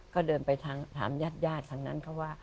ก็เดินไปถามญาติทางนั้นเขาว่า